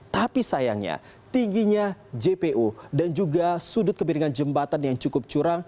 tapi sayangnya tingginya jpo dan juga sudut kebiringan jembatan yang cukup curang